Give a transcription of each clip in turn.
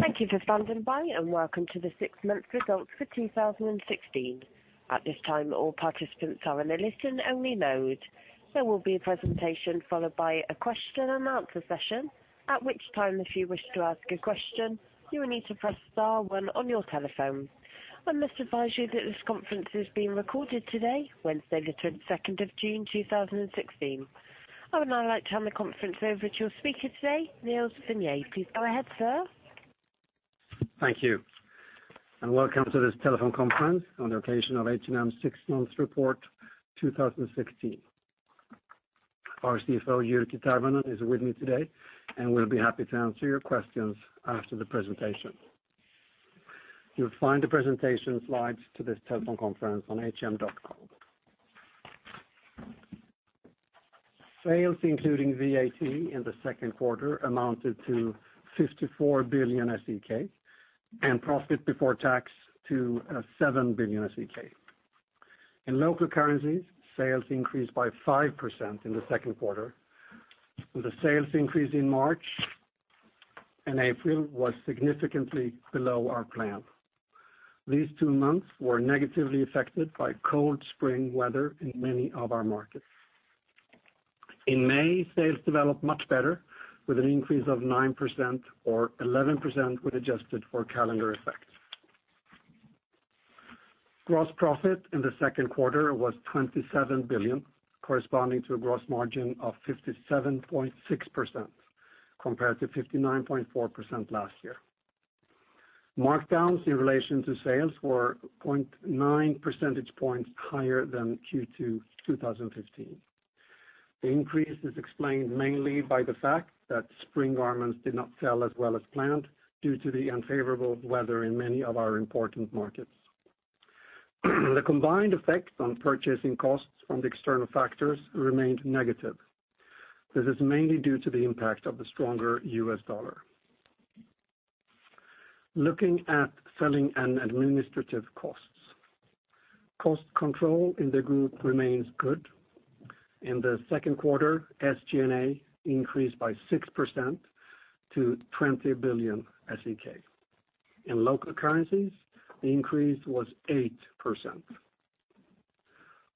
Thank you for standing by, and welcome to the six-month results for 2016. At this time, all participants are in a listen-only mode. There will be a presentation followed by a question-and-answer session, at which time, if you wish to ask a question, you will need to press star one on your telephone. I must advise you that this conference is being recorded today, Wednesday, the 22nd of June 2016. I would now like to turn the conference over to your speaker today, Nils Vinge. Please go ahead, sir. Thank you, welcome to this telephone conference on the occasion of H&M six-month report 2016. Our CFO, Jyrki Tervonen, is with me today and will be happy to answer your questions after the presentation. You'll find the presentation slides to this telephone conference on hm.com. Sales, including VAT in the second quarter, amounted to 54 billion SEK, and profit before tax to 7 billion SEK. In local currencies, sales increased by 5% in the second quarter, with a sales increase in March and April was significantly below our plan. These two months were negatively affected by cold spring weather in many of our markets. In May, sales developed much better, with an increase of 9% or 11% when adjusted for calendar effects. Gross profit in the second quarter was 27 billion, corresponding to a gross margin of 57.6% compared to 59.4% last year. Markdowns in relation to sales were 0.9 percentage points higher than Q2 2015. The increase is explained mainly by the fact that spring garments did not sell as well as planned due to the unfavorable weather in many of our important markets. The combined effect on purchasing costs from the external factors remained negative. This is mainly due to the impact of the stronger US dollar. Looking at selling and administrative costs. Cost control in the group remains good. In the second quarter, SG&A increased by 6% to 20 billion SEK. In local currencies, the increase was 8%.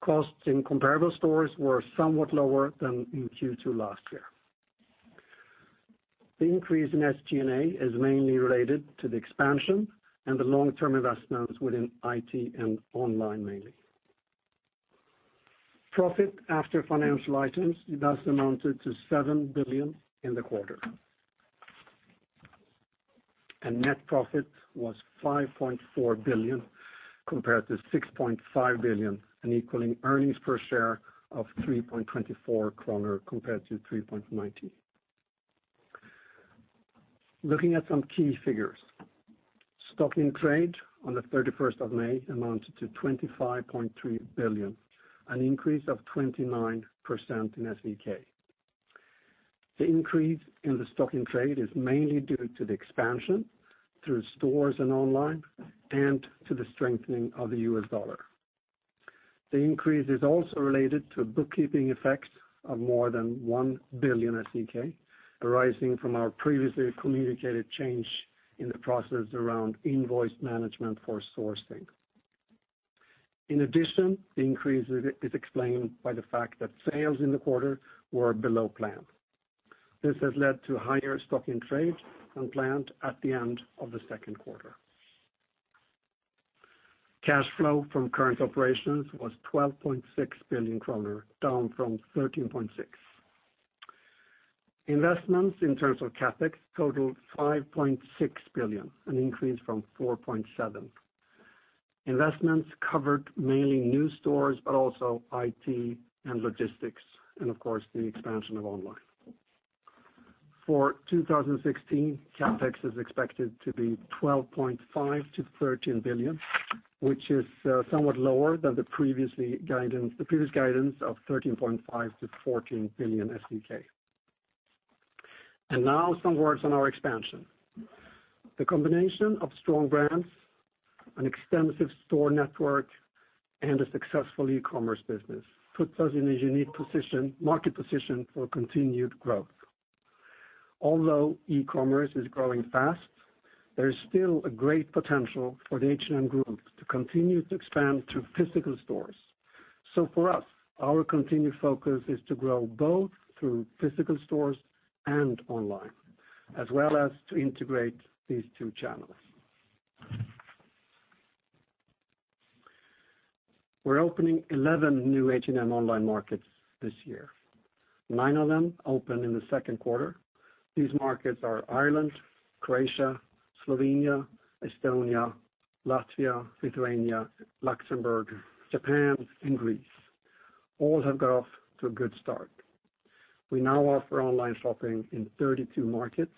Costs in comparable stores were somewhat lower than in Q2 last year. The increase in SG&A is mainly related to the expansion and the long-term investments within IT and online mainly. Profit after financial items thus amounted to 7 billion in the quarter. Net profit was 5.4 billion compared to 6.5 billion and equaling earnings per share of 3.24 kronor compared to 3.19. Looking at some key figures. Stock in trade on the 31st of May amounted to 25.3 billion, an increase of 29% in SEK. The increase in the stock in trade is mainly due to the expansion through stores and online and to the strengthening of the US dollar. The increase is also related to bookkeeping effects of more than 1 billion SEK, arising from our previously communicated change in the process around invoice management for sourcing. In addition, the increase is explained by the fact that sales in the quarter were below plan. This has led to higher stock in trade than planned at the end of the second quarter. Cash flow from current operations was 12.6 billion kronor, down from 13.6 billion. Investments in terms of CapEx totaled 5.6 billion, an increase from 4.7. Investments covered mainly new stores, but also IT and logistics, and of course, the expansion of online. For 2016, CapEx is expected to be 12.5 billion-13 billion, which is somewhat lower than the previous guidance of 13.5 billion-14 billion. Now some words on our expansion. The combination of strong brands, an extensive store network, and a successful e-commerce business puts us in a unique market position for continued growth. Although e-commerce is growing fast, there is still a great potential for the H&M group to continue to expand through physical stores. For us, our continued focus is to grow both through physical stores and online, as well as to integrate these two channels. We're opening 11 new H&M online markets this year. Nine of them opened in the second quarter. These markets are Ireland, Croatia, Slovenia, Estonia, Latvia, Lithuania, Luxembourg, Japan, and Greece. All have got off to a good start. We now offer online shopping in 32 markets.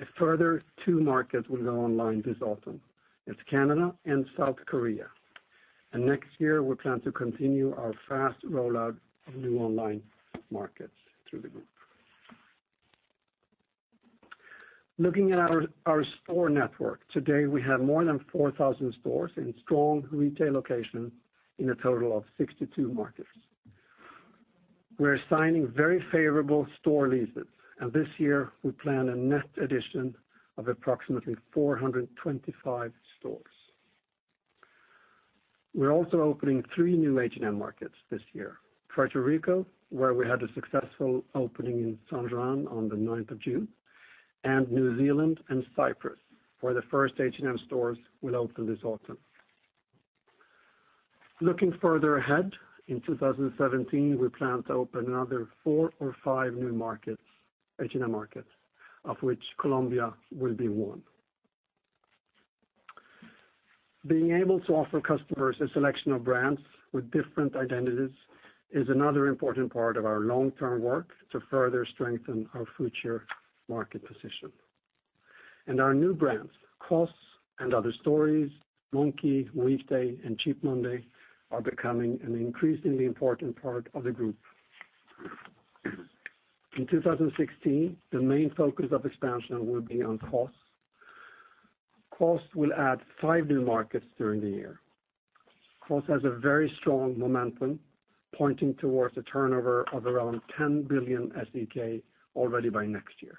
A further two markets will go online this autumn. It's Canada and South Korea. Next year, we plan to continue our fast rollout of new online markets through the group. Looking at our store network. Today, we have more than 4,000 stores in strong retail locations in a total of 62 markets. We're signing very favorable store leases, and this year we plan a net addition of approximately 425 stores. We're also opening three new H&M markets this year. Puerto Rico, where we had a successful opening in San Juan on the ninth of June, and New Zealand and Cyprus, where the first H&M stores will open this autumn. Looking further ahead, in 2017, we plan to open another four or five new H&M markets, of which Colombia will be one. Being able to offer customers a selection of brands with different identities is another important part of our long-term work to further strengthen our future market position. Our new brands, COS, & Other Stories, Monki, Weekday, and Cheap Monday, are becoming an increasingly important part of the group. In 2016, the main focus of expansion will be on COS. COS will add five new markets during the year. COS has a very strong momentum, pointing towards a turnover of around 10 billion already by next year.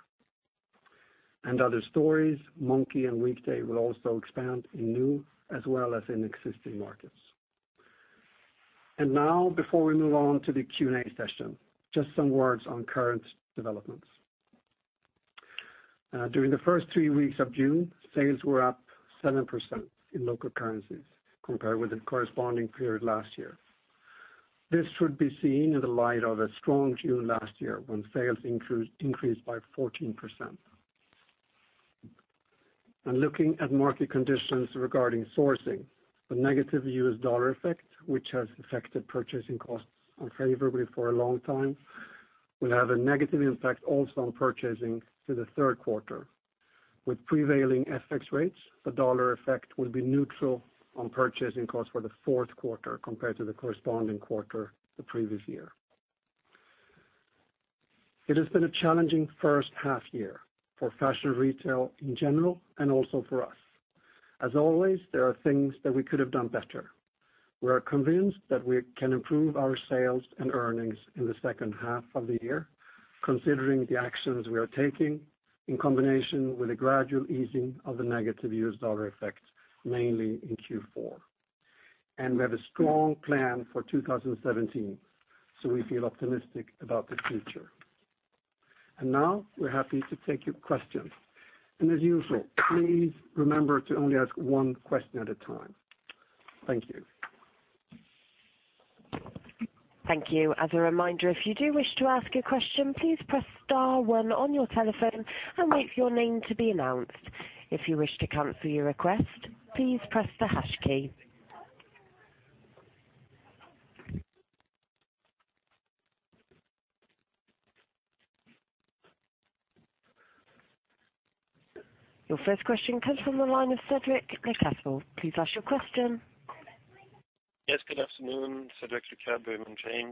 & Other Stories, Monki, and Weekday will also expand in new as well as in existing markets. Now, before we move on to the Q&A session, just some words on current developments. During the first three weeks of June, sales were up 7% in local currencies compared with the corresponding period last year. This should be seen in the light of a strong June last year when sales increased by 14%. Looking at market conditions regarding sourcing, the negative US dollar effect, which has affected purchasing costs unfavorably for a long time, will have a negative impact also on purchasing through the third quarter. With prevailing FX rates, the dollar effect will be neutral on purchasing costs for the fourth quarter compared to the corresponding quarter the previous year. It has been a challenging first half year for fashion retail in general and also for us. As always, there are things that we could have done better. We are convinced that we can improve our sales and earnings in the second half of the year, considering the actions we are taking in combination with a gradual easing of the negative US dollar effect, mainly in Q4. We have a strong plan for 2017, so we feel optimistic about the future. Now we're happy to take your questions. As usual, please remember to only ask one question at a time. Thank you. Thank you. As a reminder, if you do wish to ask a question, please press star one on your telephone and wait for your name to be announced. If you wish to cancel your request, please press the hash key. Your first question comes from the line of Jamie Merriman. Please ask your question. Yes, good afternoon, Jamie Merriman, Bernstein.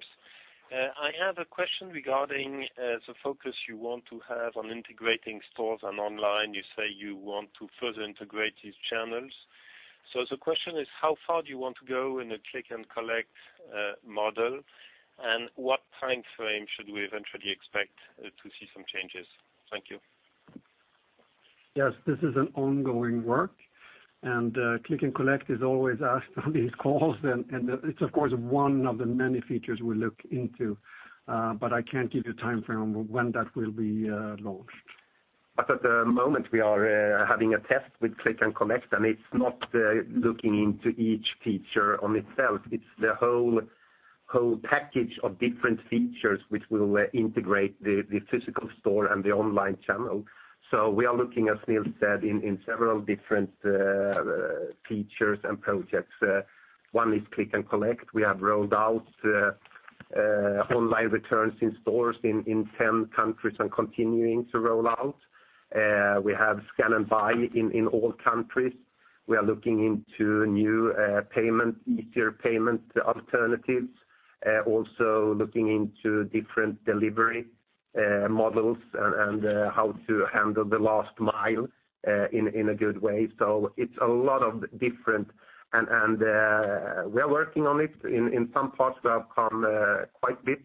I have a question regarding the focus you want to have on integrating stores and online. You say you want to further integrate these channels. The question is, how far do you want to go in a click-and-collect model? What time frame should we eventually expect to see some changes? Thank you. Yes, this is an ongoing work and click-and-collect is always asked on these calls and it's of course one of the many features we look into, but I can't give you a time frame of when that will be launched. At the moment we are having a test with click and collect and it's not looking into each feature on itself. It's the whole package of different features which will integrate the physical store and the online channel. We are looking, as Nils said, in several different features and projects. One is click and collect. We have rolled out online returns in stores in 10 countries and continuing to roll out. We have scan and buy in all countries. We are looking into new easier payment alternatives. Also looking into different delivery models and how to handle the last mile in a good way. It's a lot of different, and we are working on it. In some parts we have come quite a bit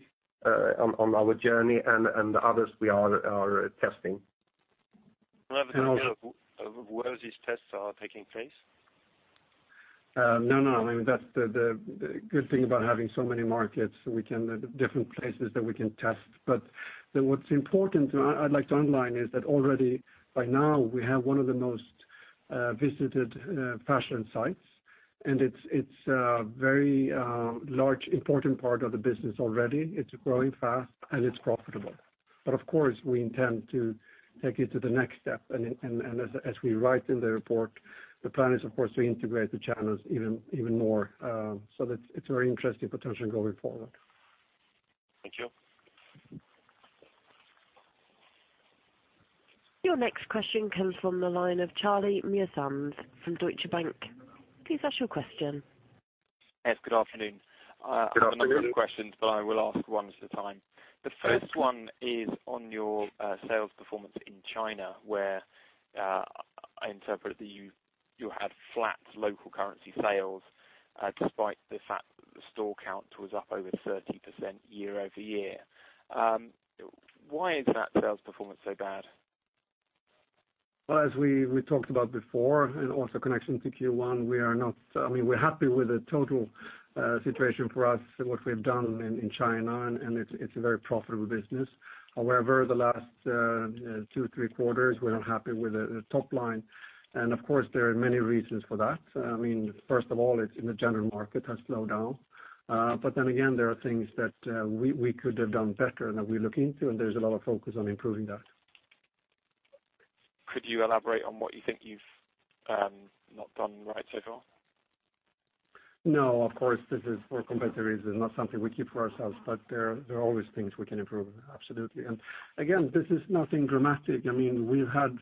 on our journey and others we are testing. Do you have an idea of where these tests are taking place? No, I mean, that's the good thing about having so many markets, different places that we can test. What's important, I'd like to underline, is that already by now we have one of the most visited fashion sites, and it's a very large, important part of the business already. It's growing fast and it's profitable. Of course, we intend to take it to the next step, and as we write in the report, the plan is, of course, to integrate the channels even more. That it's very interesting potential going forward. Thank you. Your next question comes from the line of Charles Mills from Deutsche Bank. Please ask your question. Yes, good afternoon. Good afternoon. I have a number of questions, but I will ask one at a time. The first one is on your sales performance in China, where I interpret that you had flat local currency sales despite the fact that the store count was up over 30% year-over-year. Why is that sales performance so bad? As we talked about before, and also connection to Q1, we're happy with the total situation for us and what we've done in China, and it's a very profitable business. However, the last two, three quarters, we're not happy with the top line. Of course, there are many reasons for that. First of all, it's in the general market has slowed down. Again, there are things that we could have done better and that we look into, and there's a lot of focus on improving that. Could you elaborate on what you think you've not done right so far? No, of course, this is for competitive reasons, not something we keep for ourselves. There are always things we can improve, absolutely. Again, this is nothing dramatic. We've been in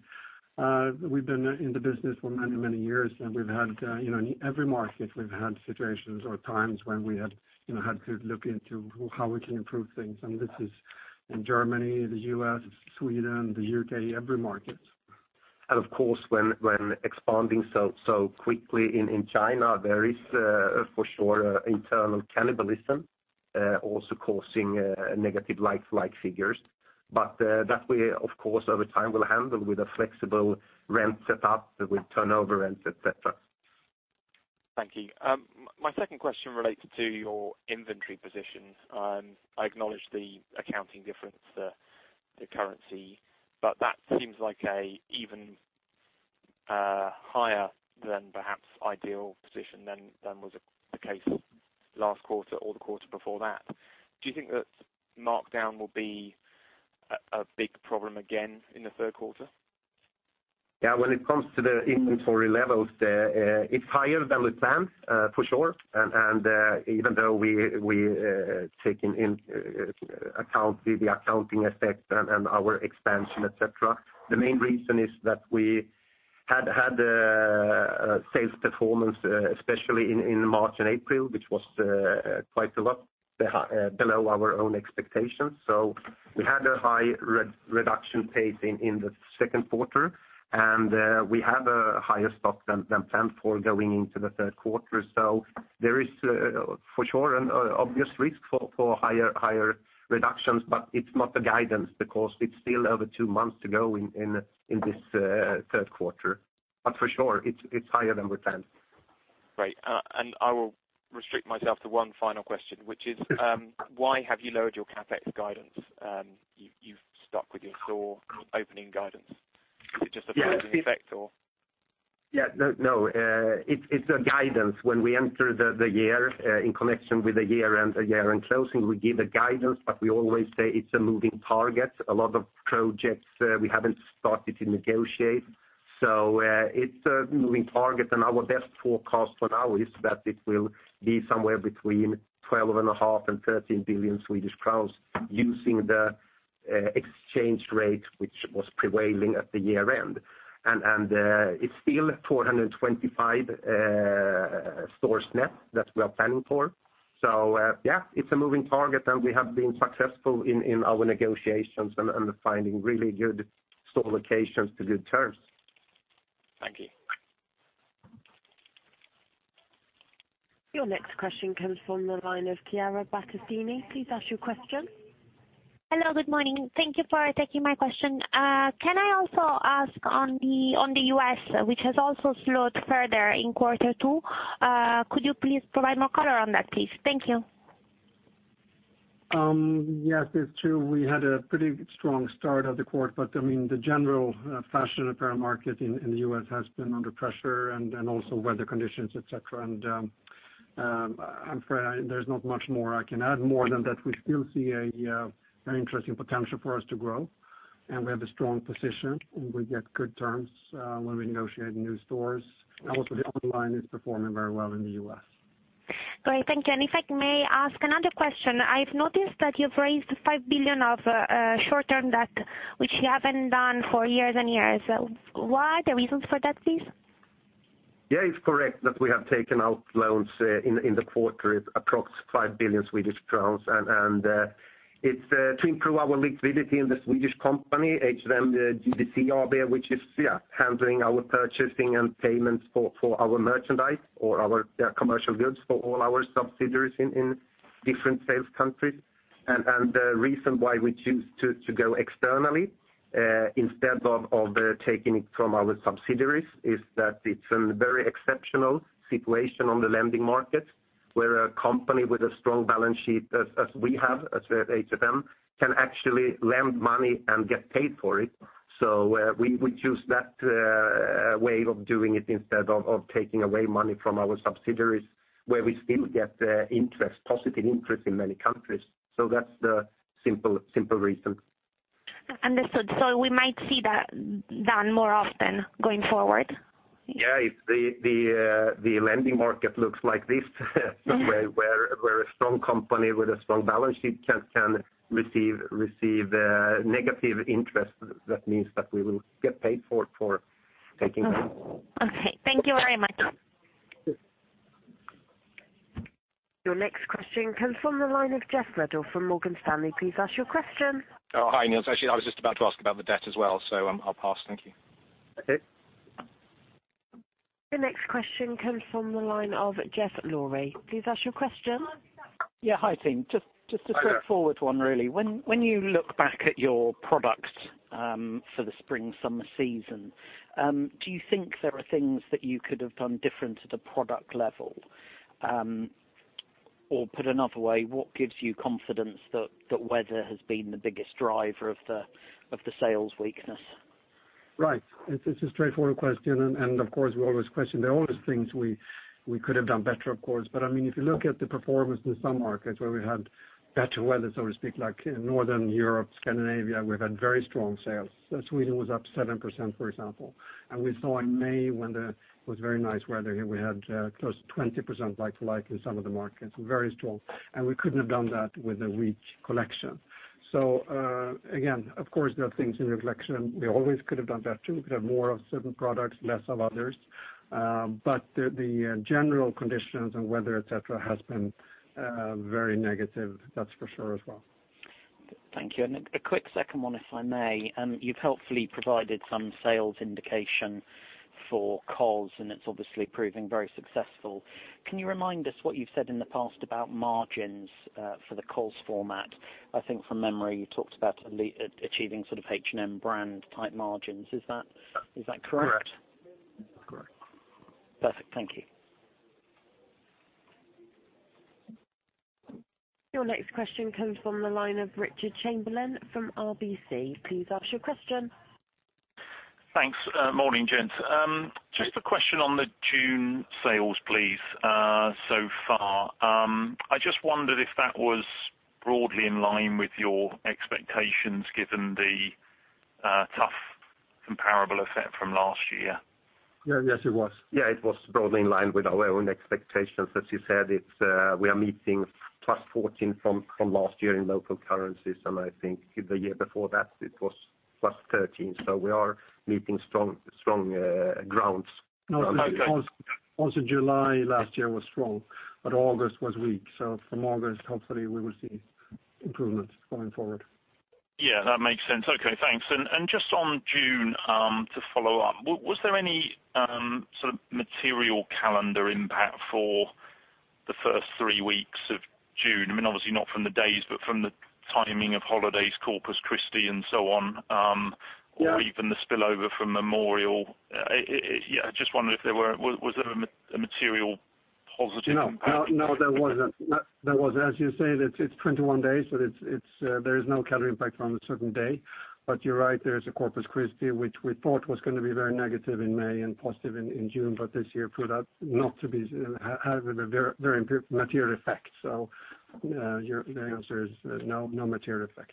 the business for many, many years, and in every market, we've had situations or times when we had to look into how we can improve things. This is in Germany, the U.S., Sweden, the U.K., every market. Of course, when expanding so quickly in China, there is, for sure, internal cannibalism, also causing negative like- figures. That way, of course, over time we'll handle with a flexible rent set up that will turn over rents, et cetera. Thank you. My second question relates to your inventory position. I acknowledge the accounting difference, the currency, that seems like an even higher than perhaps ideal position than was the case last quarter or the quarter before that. Do you think that markdown will be a big problem again in the third quarter? When it comes to the inventory levels, it is higher than we planned, for sure. Even though we take into account the accounting effect and our expansion, et cetera, the main reason is that we had had a sales performance, especially in March and April, which was quite a lot below our own expectations. We had a high reduction pace in the second quarter, we have a higher stock than planned for going into the third quarter. There is, for sure, an obvious risk for higher reductions, it is not the guidance because it is still over two months to go in this third quarter. For sure, it is higher than we planned. Great. I will restrict myself to one final question, which is why have you lowered your CapEx guidance? You have stuck with your store opening guidance. Is it just a flow effect or? No. It is a guidance. When we enter the year, in connection with the year-end closing, we give a guidance, we always say it is a moving target. A lot of projects we have not started to negotiate. It is a moving target, our best forecast for now is that it will be somewhere between 12.5 billion-13 billion Swedish crowns using the exchange rate which was prevailing at the year-end. It is still at 425 stores net that we are planning for. It is a moving target, we have been successful in our negotiations and finding really good store locations to good terms. Thank you. Your next question comes from the line of Chiara Battistini. Please ask your question. Hello. Good morning. Thank you for taking my question. Can I also ask on the U.S., which has also slowed further in quarter two, could you please provide more color on that, please? Thank you. It's true. We had a pretty strong start of the quarter, but the general fashion apparel market in the U.S. has been under pressure and also weather conditions, et cetera. I'm afraid there's not much more I can add more than that we still see an interesting potential for us to grow, and we have a strong position, and we get good terms when we negotiate new stores. The online is performing very well in the U.S. Great. Thank you. If I may ask another question. I have noticed that you have raised 5 billion of short-term debt, which you have not done for years and years. What are the reasons for that, please? Yeah, it is correct that we have taken out loans in the quarter. It is approximately 5 billion Swedish crowns. It is to improve our liquidity in the Swedish company, H&M PPC AB, which is handling our purchasing and payments for our merchandise or our commercial goods for all our subsidiaries in different sales countries. The reason why we choose to go externally instead of taking it from our subsidiaries is that it is a very exceptional situation on the lending market, where a company with a strong balance sheet, as we have at H&M, can actually lend money and get paid for it. We choose that way of doing it instead of taking away money from our subsidiaries, where we still get positive interest in many countries. That is the simple reason. Understood. We might see that done more often going forward? Yeah. If the lending market looks like this where a strong company with a strong balance sheet can receive negative interest. That means that we will get paid for taking that. Okay. Thank you very much. Your next question comes from the line of Geoffrey Ruddell from Morgan Stanley. Please ask your question. Oh, hi, Nils. Actually, I was just about to ask about the debt as well. I'll pass. Thank you. Okay. The next question comes from the line of Jess Laurie. Please ask your question. Yeah. Hi, team. Hi, there. Just a straightforward one, really. When you look back at your products for the spring-summer season, do you think there are things that you could have done different at a product level? Put another way, what gives you confidence that weather has been the biggest driver of the sales weakness? Right. It's a straightforward question, of course, we always question. There are always things we could have done better, of course. If you look at the performance in some markets where we had better weather, so to speak, like in Northern Europe, Scandinavia, we've had very strong sales. Sweden was up 7%, for example. We saw in May, when there was very nice weather here, we had close to 20% like-to-like in some of the markets, very strong. We couldn't have done that with a weak collection. Again, of course, there are things in the collection we always could have done better. We could have more of certain products, less of others. The general conditions and weather, et cetera, has been very negative, that's for sure as well. Thank you. A quick second one, if I may. You've helpfully provided some sales indication for COS, and it's obviously proving very successful. Can you remind us what you've said in the past about margins for the COS format? I think from memory, you talked about achieving sort of H&M brand-type margins. Is that correct? Correct. Perfect. Thank you. Your next question comes from the line of Richard Chamberlain from RBC. Please ask your question. Thanks. Morning, gents. Just a question on the June sales, please, so far. I just wondered if that was broadly in line with your expectations, given the tough comparable effect from last year. Yes, it was. It was broadly in line with our own expectations. As you said, we are meeting +14% from last year in local currencies, and I think the year before that, it was +13%. We are meeting strong grounds. Also July last year was strong, August was weak. From August, hopefully we will see improvements going forward. That makes sense. Okay, thanks. Just on June, to follow up, was there any sort of material calendar impact for the first three weeks of June? Obviously not from the days, but from the timing of holidays, Corpus Christi and so on? Yeah Even the spillover from Memorial. Yeah, I just wondered if there was there a material positive impact? No, there wasn't. As you say, it's 21 days, there is no calendar impact on a certain day. You're right, there is a Corpus Christi, which we thought was going to be very negative in May and positive in June, this year proved that not to have a very material effect. The answer is no material effect.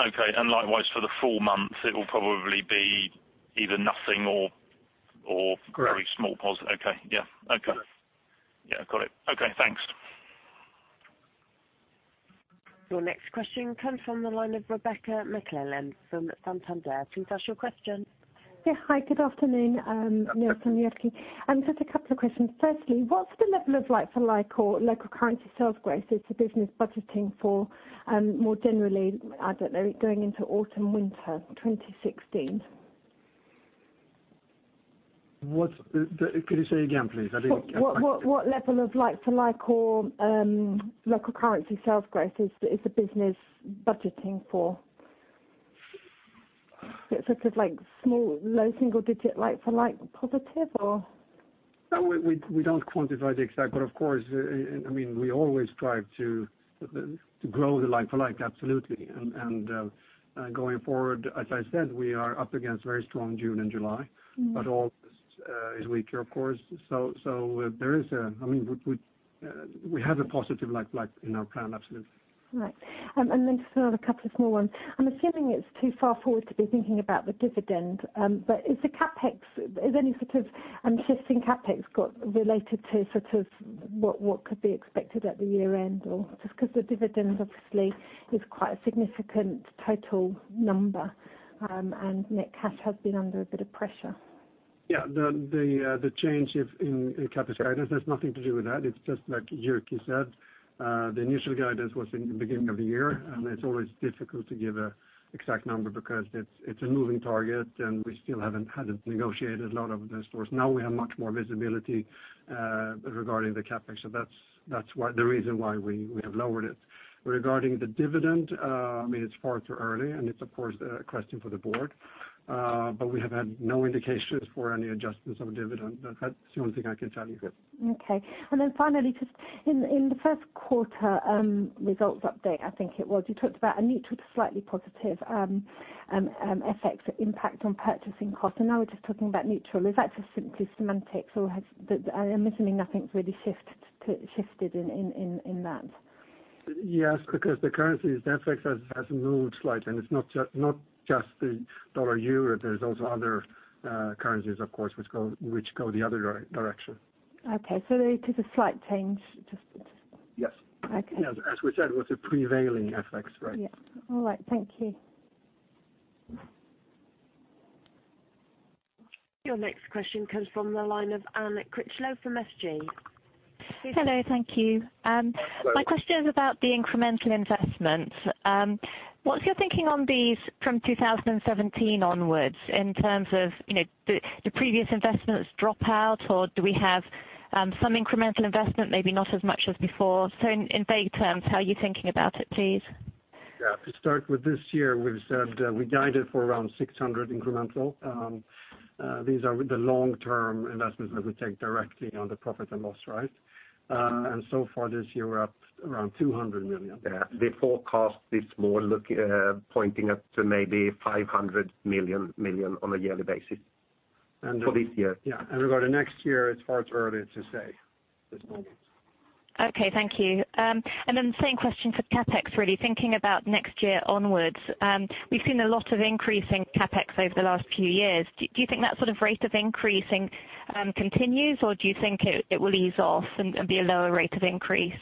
Okay. Likewise for the full month, it will probably be either nothing. Correct Very small positive. Okay. Yeah. Correct. Yeah, got it. Okay, thanks. Your next question comes from the line of Rebecca McClellan from Santander. Please ask your question. Yeah. Hi, good afternoon, Nils and Jyrki. Just a couple of questions. Firstly, what's the level of like-for-like or local currency sales growth is the business budgeting for more generally, I don't know, going into autumn/winter 2016? Could you say again, please? I didn't catch that. What level of like-for-like or local currency sales growth is the business budgeting for? Is it sort of like small, low single digit like-for-like positive? No, we don't quantify the exact. Of course, we always strive to grow the like-for-like, absolutely. Going forward, as I said, we are up against very strong June and July. August is weaker, of course. We have a positive like-for-like in our plan, absolutely. Right. Then just another couple of small ones. I'm assuming it's too far forward to be thinking about the dividend. Has any sort of shifting CapEx got related to sort of what could be expected at the year end? Just because the dividend obviously is quite a significant total number, and net cash has been under a bit of pressure. The change in capital status has nothing to do with that. It's just like Jyrki said, the initial guidance was in the beginning of the year, it's always difficult to give an exact number because it's a moving target, we still haven't had it negotiated, a lot of the stores. Now we have much more visibility regarding the CapEx. That's the reason why we have lowered it. Regarding the dividend, it's far too early, it's of course a question for the board. We have had no indications for any adjustments on the dividend. That's the only thing I can tell you. Finally, just in the first quarter results update, I think it was, you talked about a neutral to slightly positive effect or impact on purchasing cost, now we're just talking about neutral. Is that just simply semantics, I'm assuming nothing's really shifted in that? Because the currencies, the FX has moved slightly, it's not just the dollar/euro, there's also other currencies, of course, which go the other direction. Just a slight change. Yes. Okay. As we said, it was a prevailing FX, right? Yeah. All right. Thank you. Your next question comes from the line of Anne Critchlow from SG. Please. Hello. Thank you. Hello. My question is about the incremental investments. What's your thinking on these from 2017 onwards in terms of, do previous investments drop out or do we have some incremental investment, maybe not as much as before? In vague terms, how are you thinking about it, please? To start with this year, we've said we guided for around 600 incremental. These are the long-term investments that we take directly on the profit and loss. So far this year, we're up around 200 million. The forecast is more pointing up to maybe 500 million on a yearly basis. And, uh- For this year. Yeah. Regarding next year, it's far too early to say at this moment. Okay, thank you. Then same question for CapEx, really. Thinking about next year onwards, we've seen a lot of increase in CapEx over the last few years. Do you think that sort of rate of increasing continues, or do you think it will ease off and be a lower rate of increase?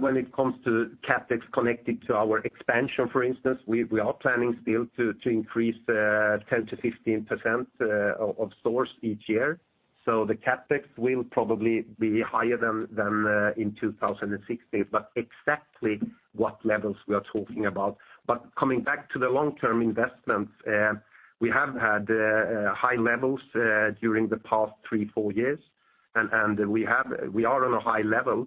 When it comes to CapEx connected to our expansion, for instance, we are planning still to increase 10%-15% of source each year. The CapEx will probably be higher than in 2016, but exactly what levels we are talking about. Coming back to the long-term investments, we have had high levels during the past three, four years, and we are on a high level.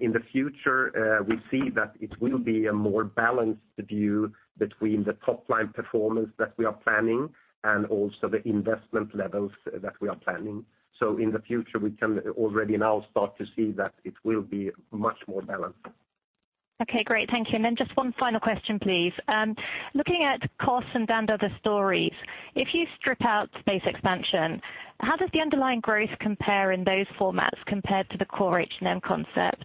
In the future, we see that it will be a more balanced view between the top-line performance that we are planning and also the investment levels that we are planning. In the future, we can already now start to see that it will be much more balanced. Okay, great. Thank you. Just one final question, please. Looking at COS and & Other Stories, if you strip out space expansion, how does the underlying growth compare in those formats compared to the core H&M concept?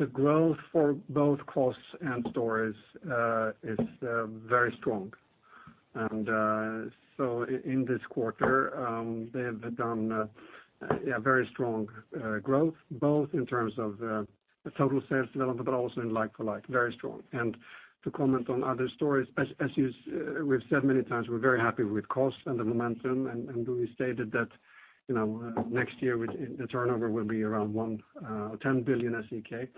The growth for both COS and Stories is very strong. In this quarter, they have done very strong growth, both in terms of total sales development, but also in like-for-like, very strong. To comment on Other Stories, as we've said many times, we're very happy with COS and the momentum, and we stated that next year, the turnover will be around 10 billion SEK.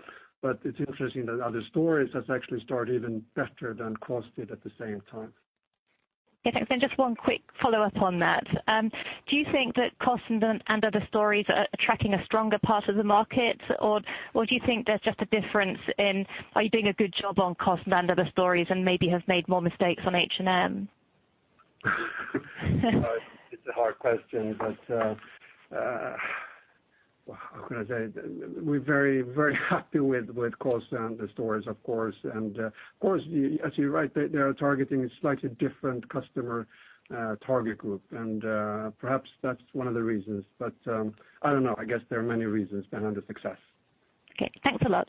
It's interesting that Other Stories has actually started even better than COS did at the same time. Yeah, thanks. Just one quick follow-up on that. Do you think that COS and & Other Stories are attracting a stronger part of the market, or do you think there's just a difference in, are you doing a good job on COS and & Other Stories and maybe have made more mistakes on H&M? It's a hard question, but how can I say? We're very, very happy with COS and the Stories, of course. Of course, actually you're right, they are targeting a slightly different customer target group. Perhaps that's one of the reasons, but I don't know. I guess there are many reasons behind the success. Okay, thanks a lot.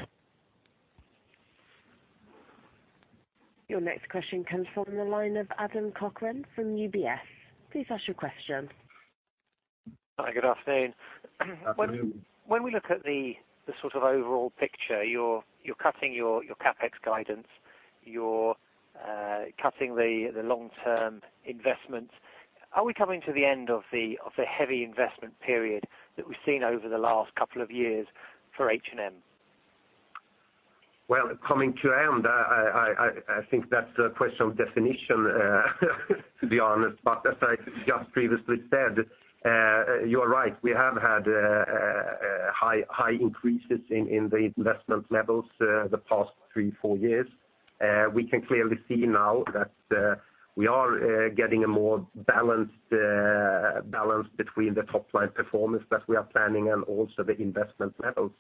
Your next question comes from the line of Adam Cochrane from UBS. Please ask your question. Hi, good afternoon. Afternoon. When we look at the overall picture, you're cutting your CapEx guidance, you're cutting the long-term investments. Are we coming to the end of the heavy investment period that we've seen over the last couple of years for H&M? Coming to end, I think that's a question of definition, to be honest. As I just previously said, you are right. We have had high increases in the investment levels, the past three-four years. We can clearly see now that we are getting a more balance between the top-line performance that we are planning and also the investment levels.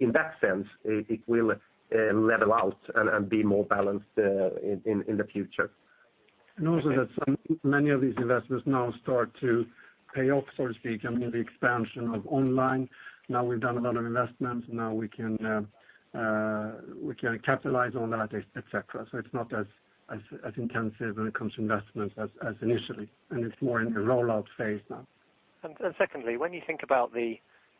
In that sense, it will level out and be more balanced in the future. Also that many of these investments now start to pay off, so to speak, with the expansion of online. Now we've done a lot of investments, now we can capitalize on that, et cetera. It's not as intensive when it comes to investments as initially, and it's more in the rollout phase now. Secondly, when you think about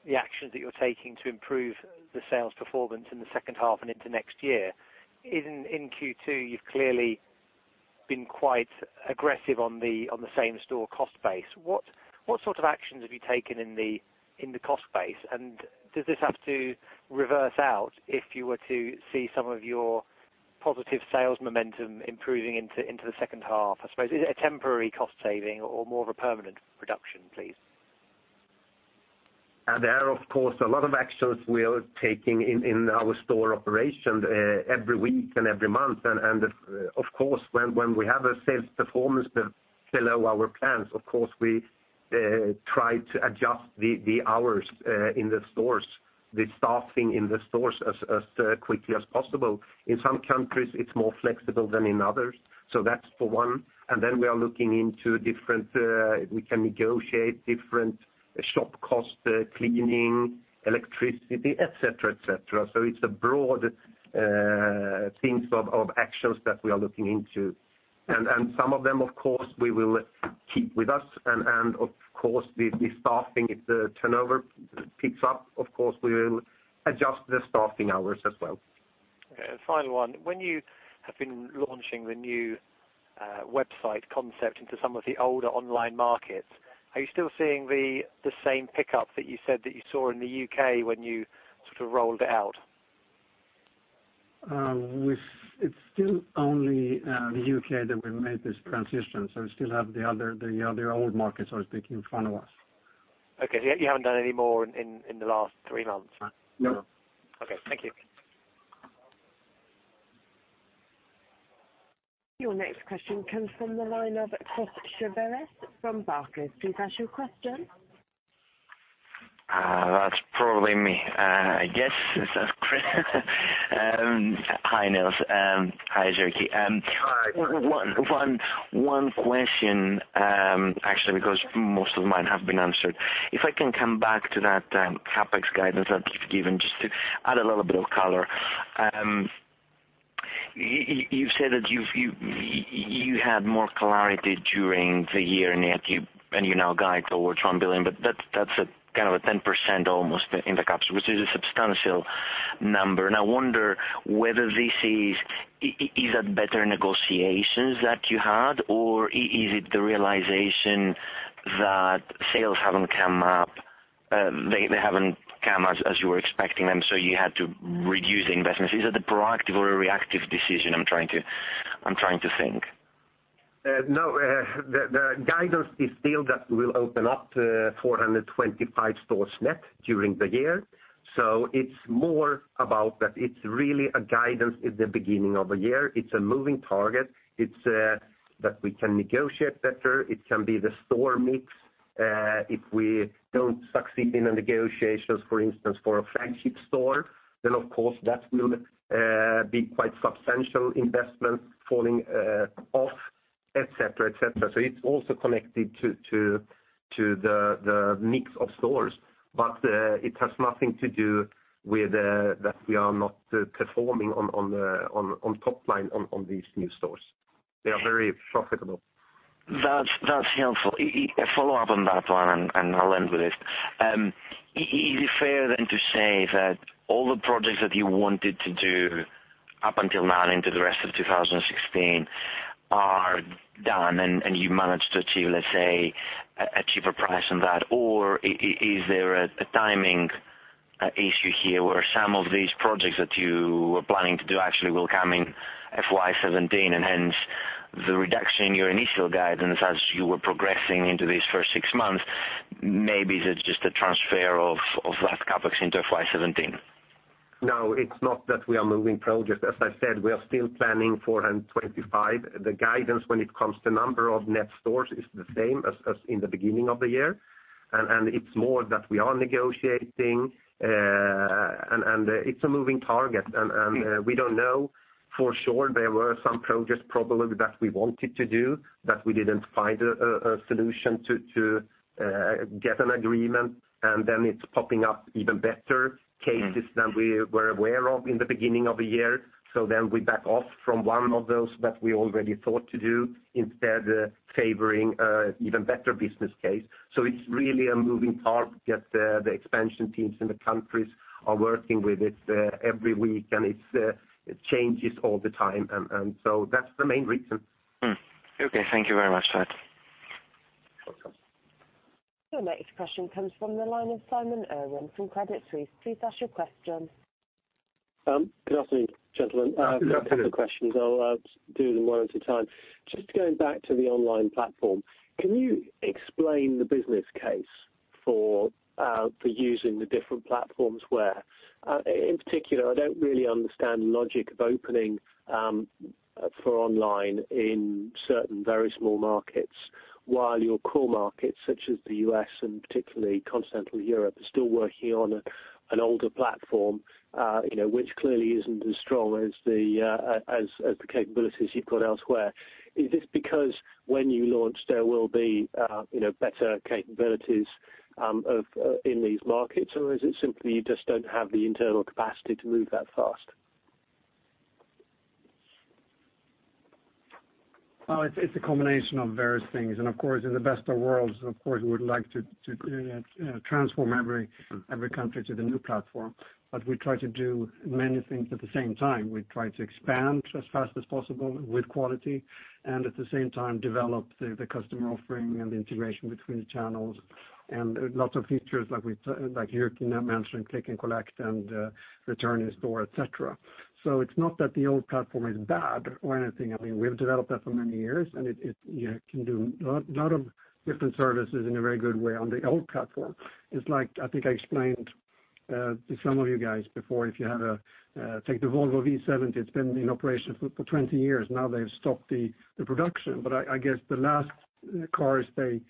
the actions that you're taking to improve the sales performance in the second half and into next year, in Q2, you've clearly been quite aggressive on the same store cost base. What sort of actions have you taken in the cost base? Does this have to reverse out if you were to see some of your positive sales momentum improving into the second half? I suppose, is it a temporary cost saving or more of a permanent reduction, please? There are, of course, a lot of actions we are taking in our store operations every week and every month. Of course, when we have a sales performance below our plans, of course, we try to adjust the hours in the stores, the staffing in the stores as quickly as possible. In some countries, it's more flexible than in others. That's for one. Then we are looking into different, we can negotiate different shop costs, cleaning, electricity, et cetera. It's a broad things of actions that we are looking into. Some of them, of course, we will keep with us, and of course, the staffing, if the turnover picks up, of course, we will adjust the staffing hours as well. Okay, final one. When you have been launching the new website concept into some of the older online markets, are you still seeing the same pickup that you said that you saw in the U.K. when you sort of rolled it out? It's still only the U.K. that we've made this transition, so we still have the other old markets, so to speak, in front of us. Okay. You haven't done any more in the last three months? No. Okay. Thank you. Your next question comes from the line of Christodoulos Chaviaras from Barclays. Please ask your question. That's probably me. I guess, hi, Nils. Hi, Jyrki. One question, actually, because most of mine have been answered. If I can come back to that CapEx guidance that you've given, just to add a little bit of color. You've said that you had more clarity during the year, and you now guide towards 1 billion, but that's kind of a 10% almost in the CapEx, which is a substantial number. I wonder whether this is better negotiations that you had, or is it the realization that sales haven't come up, they haven't come as you were expecting them, you had to reduce the investments? Is it a proactive or a reactive decision? I'm trying to think. The guidance is still that we'll open up 425 stores net during the year. It's more about that it's really a guidance at the beginning of a year. It's a moving target. It's that we can negotiate better. It can be the store mix. If we don't succeed in the negotiations, for instance, for a flagship store, then of course, that will be quite substantial investment falling off, et cetera. It's also connected to the mix of stores. It has nothing to do with that we are not performing on top line on these new stores. They are very profitable. That's helpful. A follow-up on that one. I'll end with this. Is it fair then to say that all the projects that you wanted to do up until now into the rest of 2016 are done and you managed to achieve, let's say, a cheaper price on that? Or is there a timing issue here where some of these projects that you were planning to do actually will come in FY 2017, hence the reduction in your initial guidance as you were progressing into these first six months? Maybe it's just a transfer of that CapEx into FY 2017. No, it's not that we are moving projects. As I said, we are still planning 425. The guidance when it comes to number of net stores is the same as in the beginning of the year. It's more that we are negotiating, and it's a moving target. We don't know for sure. There were some projects probably that we wanted to do that we didn't find a solution to get an agreement, and then it's popping up even better cases than we were aware of in the beginning of the year. We back off from one of those that we already thought to do, instead favoring an even better business case. It's really a moving target. The expansion teams in the countries are working with it every week, and it changes all the time. That's the main reason. Okay, thank you very much for that. Welcome. Your next question comes from the line of Simon Irwin from Credit Suisse. Please ask your question. Good afternoon, gentlemen. Good afternoon. I have a couple of questions. I'll do them one at a time. Just going back to the online platform, can you explain the business case for using the different platforms where? In particular, I don't really understand the logic of opening for online in certain very small markets, while your core markets, such as the U.S. and particularly continental Europe, are still working on an older platform which clearly isn't as strong as the capabilities you've got elsewhere. Is this because when you launch, there will be better capabilities in these markets, or is it simply you just don't have the internal capacity to move that fast? It's a combination of various things. Of course, in the best of worlds, of course, we would like to transform every country to the new platform. We try to do many things at the same time. We try to expand as fast as possible with quality, and at the same time develop the customer offering and the integration between the channels and lots of features like Jyrki mentioned, Click and Collect and return in store, et cetera. It's not that the old platform is bad or anything. I mean, we've developed that for many years, and you can do a lot of different services in a very good way on the old platform. It's like, I think I explained to some of you guys before, if you take the Volvo V70, it's been in operation for 20 years. Now they've stopped the production. I guess the last cars they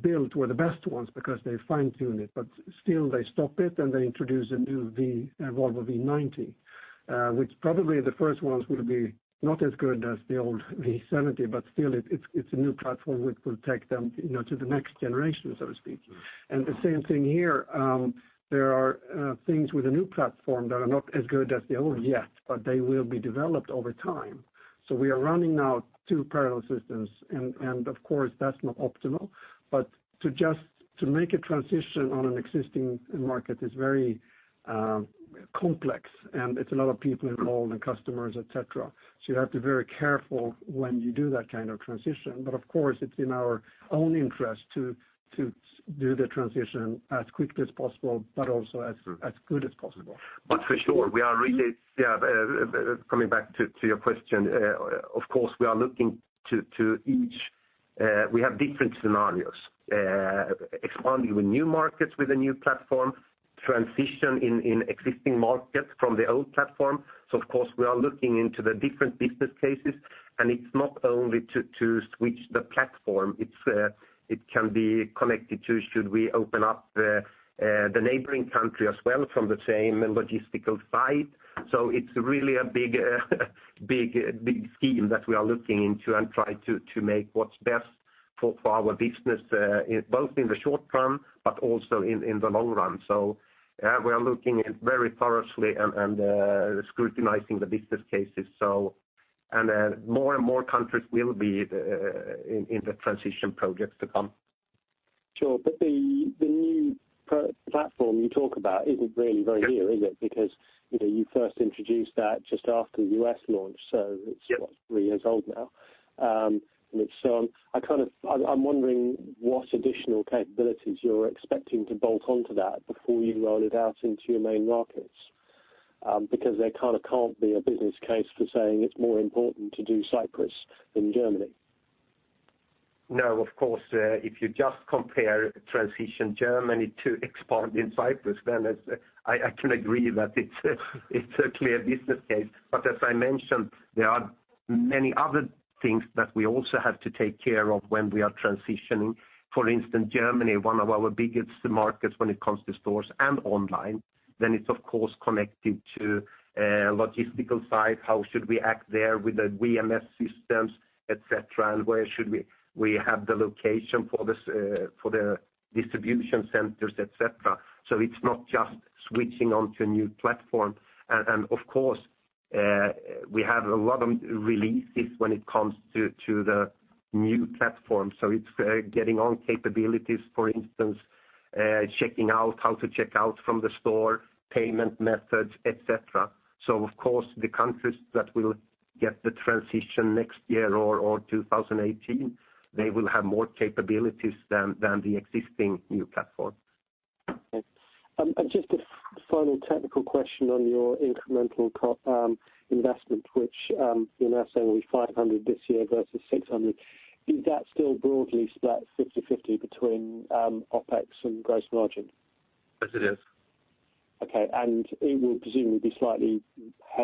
built were the best ones because they fine-tuned it. Still, they stop it, and they introduce a new Volvo V90, which probably the first ones will be not as good as the old V70, but still, it's a new platform which will take them to the next generation, so to speak. The same thing here. There are things with the new platform that are not as good as the old yet, but they will be developed over time. We are running now two parallel systems, and of course, that's not optimal. To make a transition on an existing market is very complex, and it's a lot of people involved and customers, et cetera. You have to be very careful when you do that kind of transition. Of course, it's in our own interest to do the transition as quickly as possible, but also as good as possible. For sure, coming back to your question, of course, we are looking to each. We have different scenarios. Expanding with new markets with a new platform, transition in existing markets from the old platform. Of course, we are looking into the different business cases, and it's not only to switch the platform, it can be connected to should we open up the neighboring country as well from the same logistical side. It's really a big scheme that we are looking into and try to make what's best for our business, both in the short term but also in the long run. We are looking very thoroughly and scrutinizing the business cases. More and more countries will be in the transition projects to come. Sure. The new platform you talk about isn't really very new, is it? Because you first introduced that just after the U.S. launch, so it's Yes what, three years old now. I'm wondering what additional capabilities you're expecting to bolt onto that before you roll it out into your main markets. Because there can't be a business case for saying it's more important to do Cyprus than Germany. Of course, if you just compare transition Germany to expand in Cyprus, then I can agree that it's a clear business case. As I mentioned, there are many other things that we also have to take care of when we are transitioning. Germany, one of our biggest markets when it comes to stores and online, then it's of course connected to logistical side, how should we act there with the WMS systems, et cetera, and where should we have the location for the distribution centers, et cetera. It's not just switching onto a new platform. Of course, we have a lot of releases when it comes to the new platform. It's getting on capabilities, for instance, checking out, how to check out from the store, payment methods, et cetera. Of course, the countries that will get the transition next year or 2018, they will have more capabilities than the existing new platform. Okay. Just a final technical question on your incremental investment, which you're now saying will be 500 this year versus 600. Is that still broadly split 50/50 between OpEx and gross margin? Yes, it is. Okay. It will presumably be slightly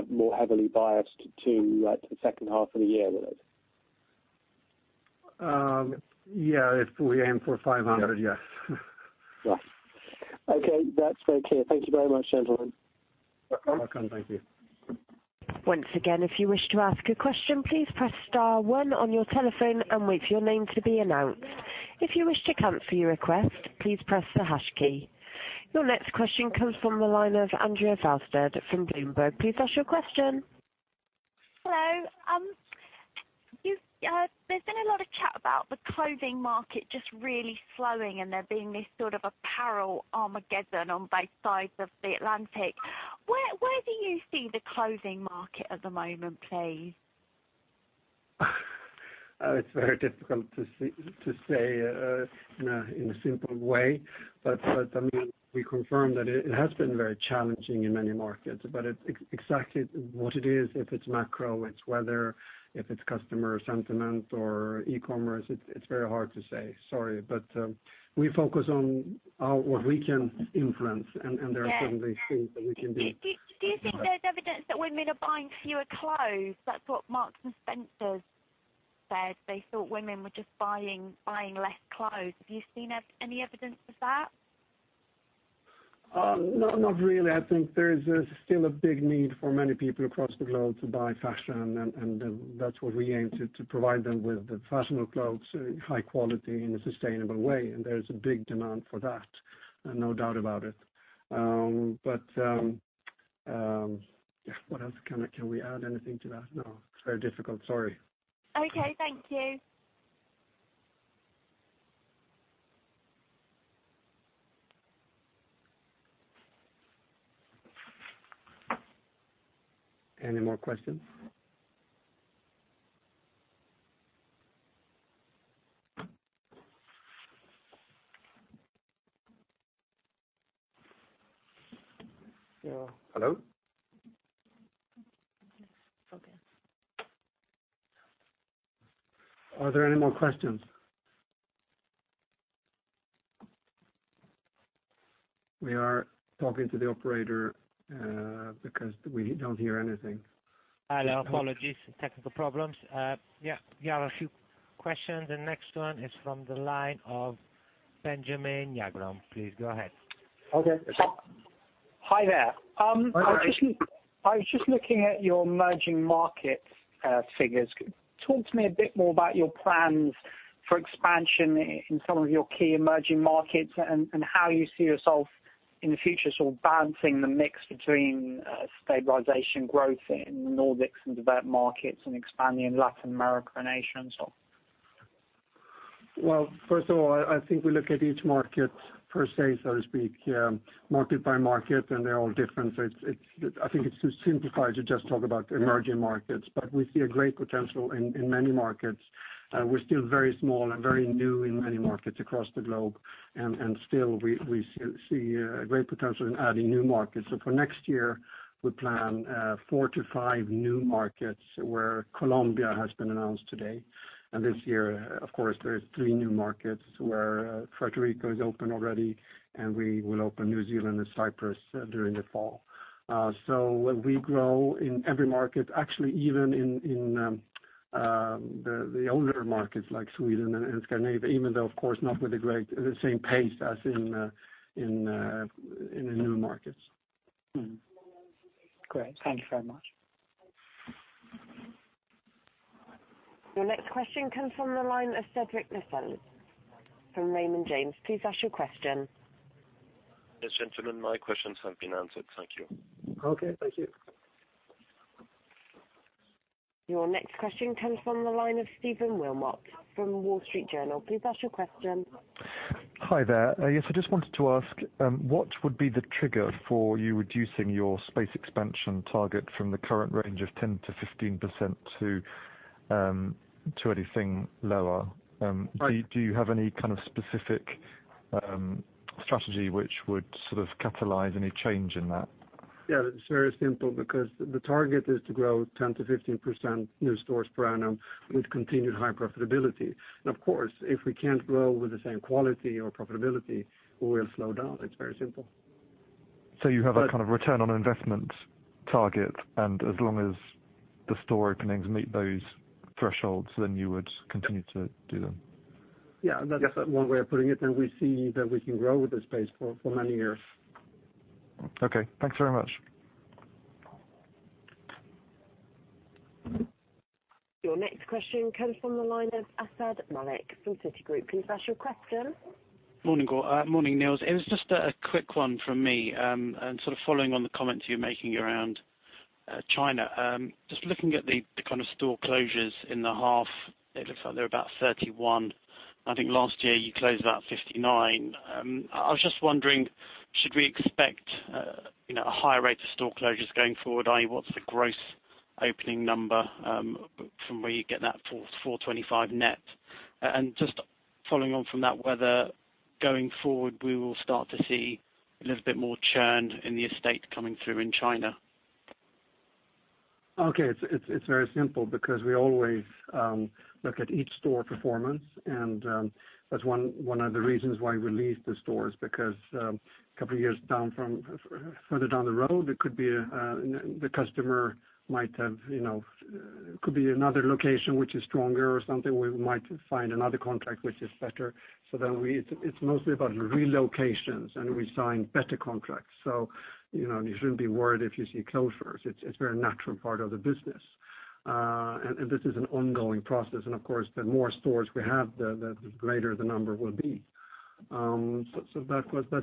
more heavily biased to the second half of the year, will it? Yeah, if we aim for 500, yes. Right. Okay, that's very clear. Thank you very much, gentlemen. Welcome. Thank you. Once again, if you wish to ask a question, please press star one on your telephone and wait for your name to be announced. If you wish to cancel your request, please press the hash key. Your next question comes from the line of Andrea Felsted from Bloomberg. Please ask your question. Hello. There's been a lot of chat about the clothing market just really slowing and there being this sort of apparel Armageddon on both sides of the Atlantic. Where do you see the clothing market at the moment, please? It's very difficult to say in a simple way. We confirm that it has been very challenging in many markets. Exactly what it is, if it's macro, it's weather, if it's customer sentiment or e-commerce, it's very hard to say. Sorry. We focus on what we can influence, and there are- Yeah certainly things that we can do. Do you think there's evidence that women are buying fewer clothes? That's what Marks & Spencer said. They thought women were just buying less clothes. Have you seen any evidence of that? No, not really. I think there's still a big need for many people across the globe to buy fashion, and that's what we aim to provide them with, the fashionable clothes, high quality in a sustainable way. There's a big demand for that, no doubt about it. What else? Can we add anything to that? No. It's very difficult. Sorry. Okay. Thank you. Any more questions? Hello? Are there any more questions? We are talking to the operator, because we don't hear anything. Hello. Apologies. Technical problems. Yeah, you have a few questions. The next one is from the line of Benjamin Jagrom. Please go ahead. Okay. Hi there. Hi. I was just looking at your emerging market figures. Talk to me a bit more about your plans for expansion in some of your key emerging markets and how you see yourself in the future, sort of balancing the mix between stabilization growth in the Nordics and developed markets and expanding in Latin American nations. Well, first of all, I think we look at each market per se, so to speak, market by market, and they're all different. I think it's too simplified to just talk about emerging markets, but we see a great potential in many markets. We're still very small and very new in many markets across the globe, and still, we see a great potential in adding new markets. For next year, we plan four to five new markets where Colombia has been announced today. This year, of course, there's three new markets where Puerto Rico is open already, and we will open New Zealand and Cyprus during the fall. We grow in every market, actually, even in the older markets like Sweden and Scandinavia, even though, of course, not with the same pace as in the new markets. Great. Thank you very much. Your next question comes from the line of Cédric Rossi from Raymond James. Please ask your question. Yes, gentlemen, my questions have been answered. Thank you. Okay. Thank you. Your next question comes from the line of Stephen Wilmot from The Wall Street Journal. Please ask your question. Hi there. Yes, I just wanted to ask, what would be the trigger for you reducing your space expansion target from the current range of 10%-15% to anything lower? Right. Do you have any kind of specific strategy which would sort of catalyze any change in that? Yeah, it's very simple because the target is to grow 10%-15% new stores per annum with continued high profitability. Of course, if we can't grow with the same quality or profitability, we'll slow down. It's very simple. You have a kind of return on investment target, as long as the store openings meet those thresholds, you would continue to do them? Yeah, that's one way of putting it, we see that we can grow with the space for many years. Okay. Thanks very much. Your next question comes from the line of Asad Malik from Citigroup. Please ask your question. Morning, Nils. It was just a quick one from me, following on the comments you're making around China. Just looking at the kind of store closures in the half, it looks like they're about 31. I think last year you closed about 59. I was just wondering, should we expect a higher rate of store closures going forward? i.e., what's the gross opening number from where you get that for 425 net? Just following on from that, whether going forward, we will start to see a little bit more churn in the estate coming through in China. Okay. It's very simple because we always look at each store performance, and that's one of the reasons why we lease the stores, because a couple of years further down the road, it could be another location which is stronger or something. We might find another contract which is better. It's mostly about relocations, and we sign better contracts. You shouldn't be worried if you see closures. It's a very natural part of the business. This is an ongoing process, of course, the more stores we have, the greater the number will be. That's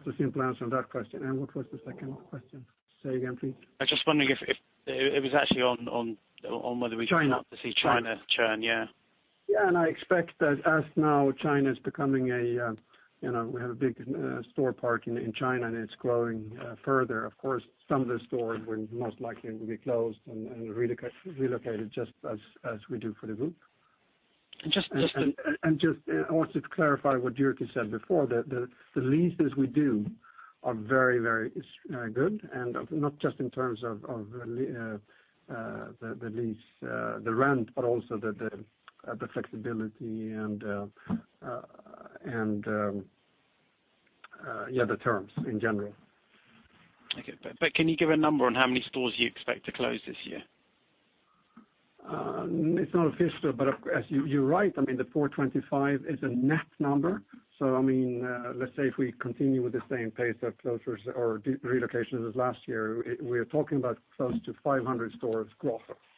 the simple answer on that question. What was the second question? Say again, please. I was just wondering if it was actually on whether. China would start to see China churn. Yeah. Yeah, I expect that as now China is becoming. We have a big store park in China, and it's growing further. Of course, some of the stores will most likely be closed and relocated just as we do for the group. Just- Just, I wanted to clarify what Jyrki said before, that the leases we do are very, very good, and not just in terms of the lease, the rent, but also the flexibility and the terms, in general. Okay. Can you give a number on how many stores you expect to close this year? It's not official, but you're right. I mean, the 425 is a net number. Let's say if we continue with the same pace of closures or relocations as last year, we're talking about close to 500 stores gross. Okay. Perfect. Thank you.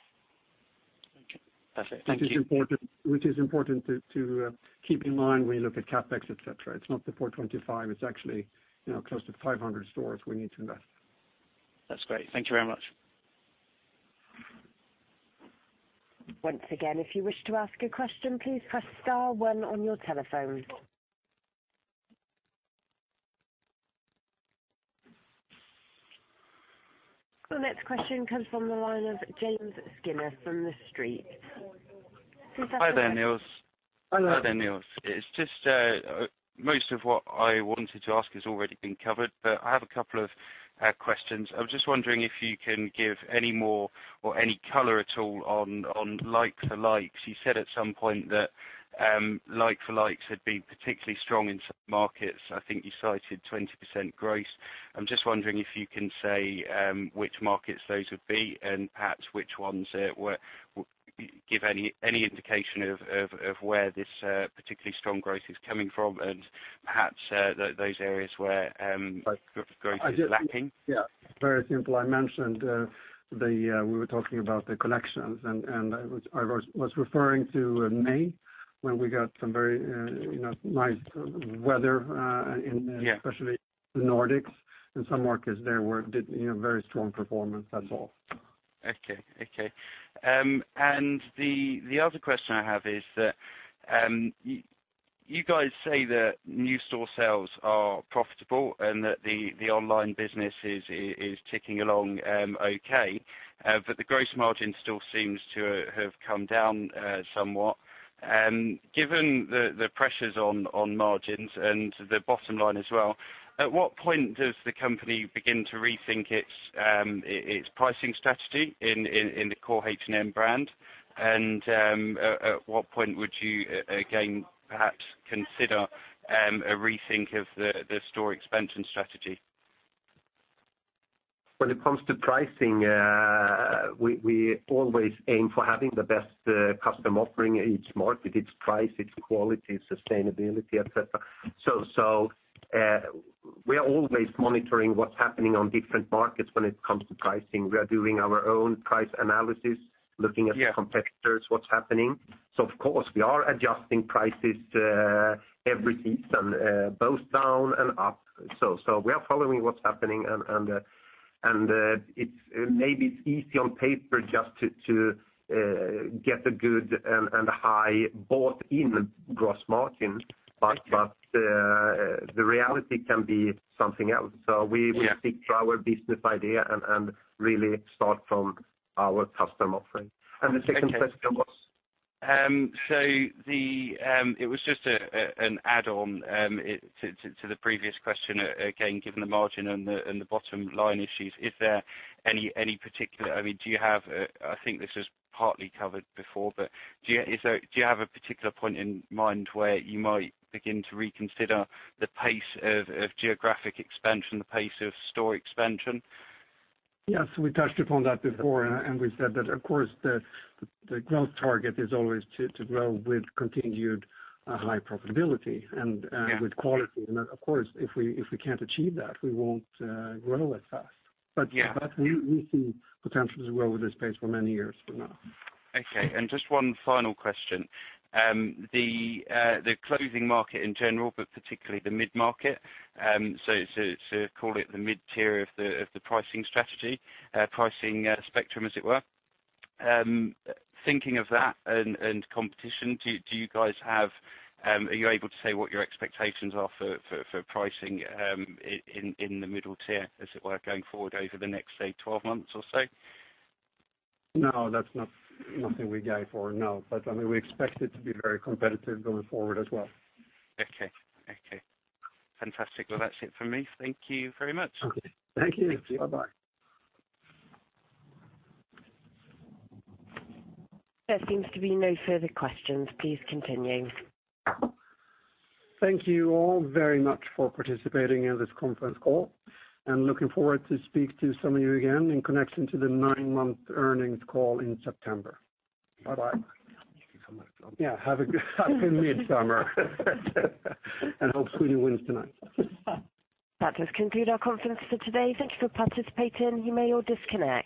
Which is important to keep in mind when you look at CapEx, et cetera. It's not the 425. It's actually close to 500 stores we need to invest. That's great. Thank you very much. Once again, if you wish to ask a question, please press star one on your telephone. The next question comes from the line of James Skinner from TheStreet. Please ask your question. Hi there, Nils. Hi. Hi there, Nils. Most of what I wanted to ask has already been covered, I have a couple of questions. I was just wondering if you can give any more or any color at all on like for likes. You said at some point that like for likes had been particularly strong in some markets. I think you cited 20% gross. I am just wondering if you can say which markets those would be, and perhaps which ones give any indication of where this particularly strong growth is coming from, and perhaps those areas where growth is lacking. Yeah. Very simple. I mentioned we were talking about the collections, I was referring to May, when we got some very nice weather. Yeah In especially the Nordics, some markets there did very strong performance. That is all. Okay. The other question I have is that you guys say that new store sales are profitable and that the online business is ticking along okay, but the gross margin still seems to have come down somewhat. Given the pressures on margins and the bottom line as well, at what point does the company begin to rethink its pricing strategy in the core H&M brand? At what point would you again, perhaps consider a rethink of the store expansion strategy? When it comes to pricing, we always aim for having the best customer offering in each market, its price, its quality, sustainability, et cetera. We are always monitoring what is happening on different markets when it comes to pricing. We are doing our own price analysis, looking at- Yeah competitors, what is happening. Of course we are adjusting prices every season, both down and up. We are following what is happening and maybe it is easy on paper just to get a good and a high bought-in gross margin. Okay. The reality can be something else. Yeah stick to our business idea and really start from our customer offering. Okay. The second question was? It was just an add-on to the previous question. Again, given the margin and the bottom line issues, is there any particular, do you have, I think this was partly covered before, but do you have a particular point in mind where you might begin to reconsider the pace of geographic expansion, the pace of store expansion? Yes, we touched upon that before. We said that, of course, the growth target is always to grow with continued high profitability and with quality. Of course, if we can't achieve that, we won't grow as fast. Yeah. We see potential to grow with this pace for many years from now. Okay. Just one final question. The clothing market in general, particularly the mid-market, so call it the mid-tier of the pricing strategy, pricing spectrum, as it were. Thinking of that and competition, are you able to say what your expectations are for pricing in the middle tier, as it were, going forward over the next, say, 12 months or so? No, that's nothing we guide for. No, we expect it to be very competitive going forward as well. Okay. Fantastic. Well, that's it for me. Thank you very much. Okay. Thank you. Thank you. Bye-bye. There seems to be no further questions. Please continue. Thank you all very much for participating in this conference call. Looking forward to speak to some of you again in connection to the nine-month earnings call in September. Bye-bye. Thank you so much. Yeah. Have a good midsummer. Hope Sweden wins tonight. That does conclude our conference for today. Thank you for participating. You may all disconnect.